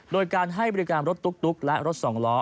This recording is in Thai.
โดยการให้บริการรถตุ๊กและรถสองล้อ